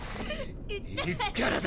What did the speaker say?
いつからだ？